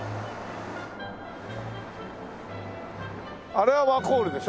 あれはワコールでしょほら。